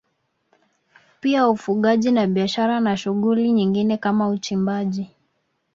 Pia ufugaji na biashara na shughuli nyingine kama uchimbaji